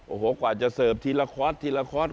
โอ้โหกว่าจะเสิร์ฟทีละคอร์สทีละคอร์ส